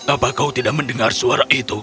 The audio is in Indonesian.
apa kau tidak mendengar suara itu